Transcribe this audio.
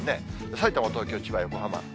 さいたま、東京、千葉、横浜。